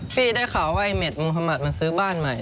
พี่ได้ข่าวว่าเมดมูฮะหมัดมันซื้อบ้านใหม่